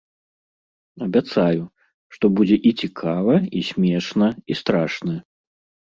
Абяцаю, што будзе і цікава, і смешна, і страшна.